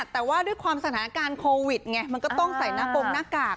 แต่ว่าด้วยความสถานการณ์โควิดไงมันก็ต้องใส่หน้ากงหน้ากาก